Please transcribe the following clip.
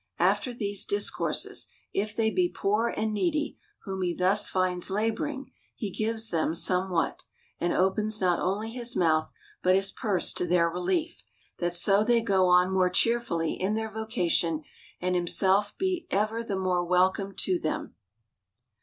After these dis courses, if they be poor and needy whom he thus finds laboring, he gives them somewhat ; and opens not only his mouth, but his purse to their relief, that so they go on more cheerfully in their vocation, and himself be ever the more welcome to them.